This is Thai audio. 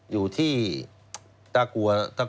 อยู่ที่ตะกัวทุ่ง